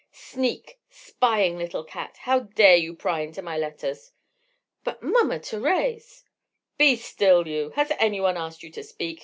"Sneak! Spying little cat! How dare you pry into my letters?" "But, Mama Thérèse—!" "Be still, you! Has one asked you to speak?